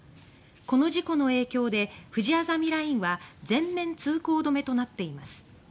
この事故の影響でふじあざみラインは全面通行止めとなっています。